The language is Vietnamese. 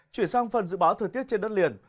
chuyển sang phần dự báo thời tiết trên đất liền